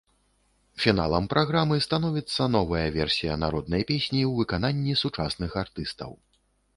Фіналам праграмы становіцца новая версія народнай песні ў выкананні сучасных артыстаў.